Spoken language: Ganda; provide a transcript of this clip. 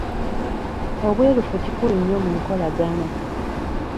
Obwerufu kikulu nnyo mu nkolagana.